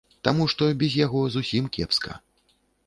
Таму што без яго зусім кепска.